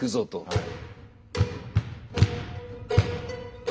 はい。